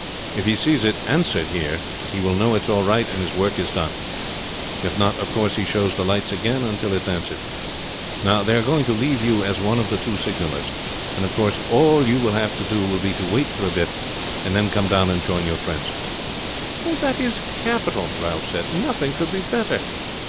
If he sees it answered here he will know it's all right, and his work is done; if not, of course he shows the lights again until it's answered. Now, they are going to leave you as one of the two signallers, and of course all you will have to do will be to wait for a bit, and then come down and join your friends." "That is capital," Ralph said. "Nothing could be better.